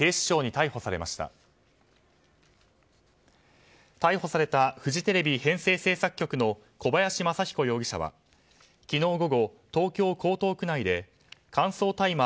逮捕されたフジテレビ編成制作局の小林正彦容疑者は昨日午後、東京・江東区内で乾燥大麻